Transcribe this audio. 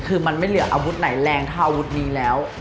คือมันไม่เหลืออาวุธไหนแรงเท่าอาวุธนี้แล้ว